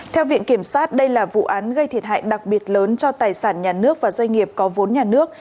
theo viện kiểm sát đây là vụ án gây thiệt hại đặc biệt lớn cho tài sản nhà nước và doanh nghiệp có vốn nhà nước